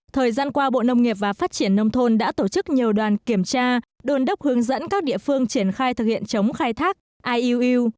thời gian qua bộ nông nghiệp và phát triển nông thôn đã tổ chức nhiều đoàn kiểm tra đồn đốc hướng dẫn các địa phương triển khai thực hiện chống khai thác iuu